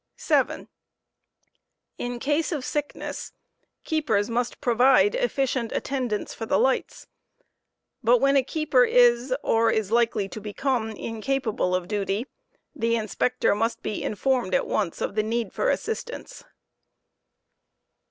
7 In case'of sickness, keepers must provide efficient attendants for the lights; Pfajw but when a keeper is, or is likely to become, incapable of duty, the Inspector must he informed at once of the need for assistance.